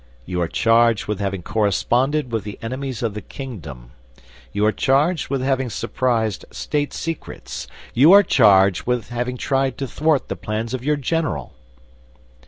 "You are charged with having corresponded with the enemies of the kingdom; you are charged with having surprised state secrets; you are charged with having tried to thwart the plans of your general."